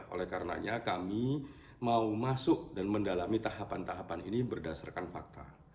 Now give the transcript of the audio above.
oleh karenanya kami mau masuk dan mendalami tahapan tahapan ini berdasarkan fakta